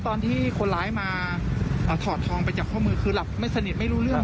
อันนี้คือหลับสนิท